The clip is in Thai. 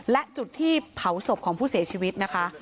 และจุดที่เผาศพของผู้เสียชีวิตนะคะ